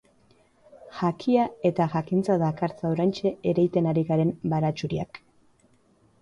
Jakia eta jakintza dakartza oraintxe ereiten ari garen baratxuriak.